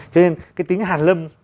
cho nên cái tính hàn lâm